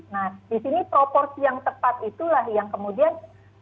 nah di sini proporsi yang tepat itulah yang kemudian